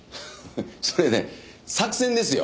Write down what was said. それね作戦ですよ。